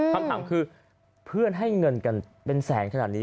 คำถามคือเพื่อนให้เงินกันเป็นแสนขนาดนี้